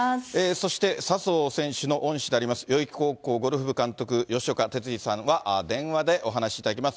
そして、笹生選手の恩師であります、代々木高校ゴルフ部監督、吉岡徹治さんは電話でお話しいただきます。